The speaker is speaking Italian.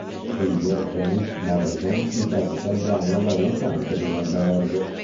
Nel video James Morrison interpreta il brano da una stanza di un albergo.